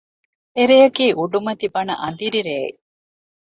އެ ރެޔަކީ އުޑުމަތި ބަނަ އަނދިރި ރެއެއް